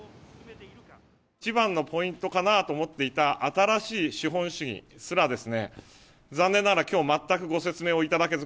一番のポイントかなと思っていた新しい資本主義すらですね、残念ながらきょう全くご説明をいただけず。